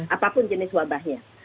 apapun jenis wabahnya